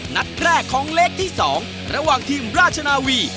นัดแรกของเลขที่๒ระหว่างทีมราชนาวี